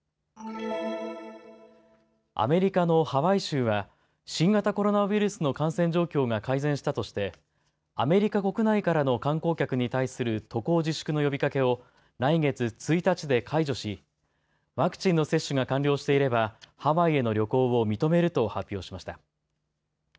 アメリカのハワイ州は新型コロナウイルスの感染状況が改善したとしてアメリカ国内からの観光客に対する渡航自粛の呼びかけを来月１日で解除しワクチンの接種が完了していればハワイへの旅行を認めると発表しました。